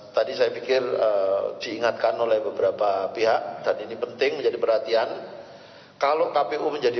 tadi saya pikir diingatkan oleh beberapa pihak dan ini penting menjadi perhatian kalau kpu menjadi